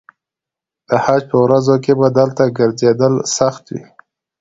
د حج په ورځو کې به دلته ګرځېدل سخت وي.